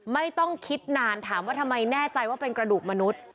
ไม่ต้องคิดนานถามว่าทำไมแน่ใจว่าเป็นกระดูกมนุษย์